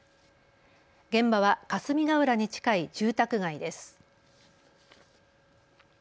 現場は霞ヶ浦に近い住宅街です。